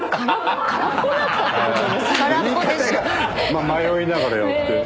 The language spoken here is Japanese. まあ迷いながらやって。